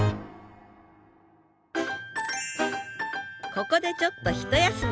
ここでちょっと一休み！